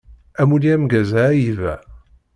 Amulli ameggaz a Aiba!